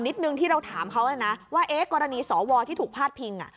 แต่อีกนิดนึงที่เราถามเขานะว่ากรณีสอวอที่ถูกพลาดพิง